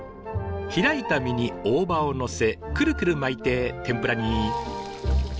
開いた身に大葉をのせくるくる巻いて天ぷらに。